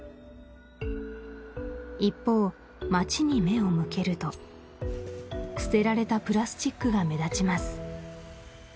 一方街に目を向けると捨てられたプラスチックが目立ちます